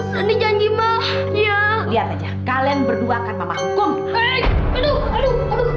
nanti janji mah iya lihat aja kalian berdua akan mama hukum aduh aduh aduh